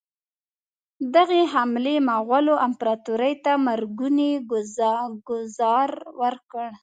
دغې حملې مغولو امپراطوري ته مرګونی ګوزار ورکړ.